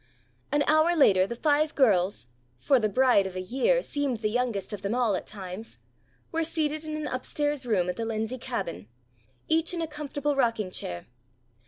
An hour later the five girls (for the bride of a year seemed the youngest of them all at times) were seated in an upstairs room at the Lindsey Cabin, each in a comfortable rocking chair.